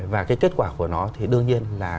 và cái kết quả của nó thì đương nhiên là